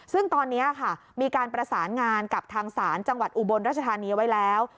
ซึ่งตอนนี้ค่ะมีการประสานงานกับทางศาลจังหวัดอุบลรัชธานีไว้แล้ว